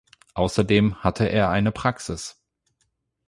Außerdem hatte er eine Praxis.